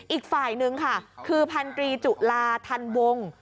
อีกฝ่ายหนึ่งค่ะคือพันตรีจุลาทันวง